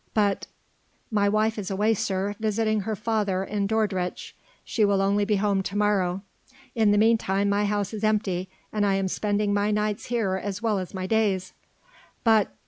"But...." "My wife is away, sir, visiting her father in Dordrecht. She will only be home to morrow. In the meanwhile my house is empty, and I am spending my nights here as well as my days." "But...."